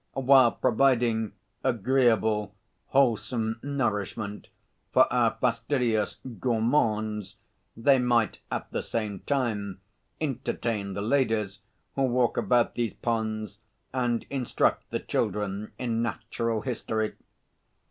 While providing agreeable, wholesome nourishment for our fastidious gourmands, they might at the same time entertain the ladies who walk about these ponds and instruct the children in natural history.